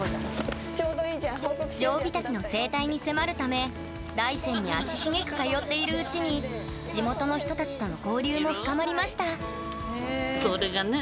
ジョウビタキの生態に迫るため大山に足しげく通っているうちに地元の人たちとの交流も深まりましたそれがね